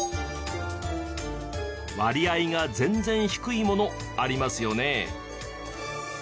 割合が全然低いものありますよね？